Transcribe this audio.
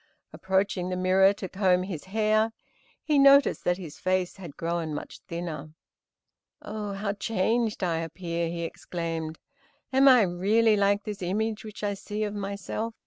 Approaching the mirror, to comb his hair, he noticed that his face had grown much thinner. "Oh, how changed I appear," he exclaimed. "Am I really like this image which I see of myself?"